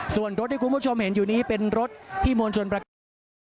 ส่วนรถที่คุณผู้ชมเห็นอยู่นี้เป็นรถที่มวลชนประกาศนะครับ